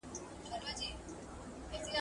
که طلاق کم شي نو ماشومان نه رپیږي.